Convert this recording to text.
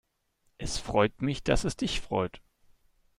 Es freut mich, dass es dich freut.